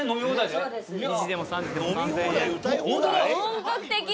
本格的！